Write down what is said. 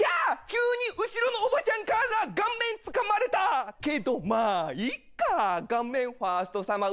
急に後ろのおばちゃんから顔面つかまれたけどまあいいか顔面ファーストサマーウイカ